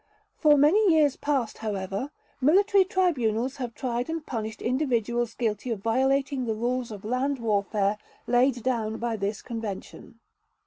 For many years past, however, military tribunals have tried and punished individuals guilty of violating the rules of land warfare laid down by this Convention.